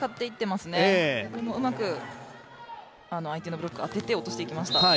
でもうまく相手のブロックに当てて落としていきました。